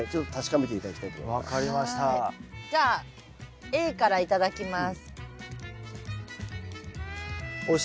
じゃあＡから頂きます。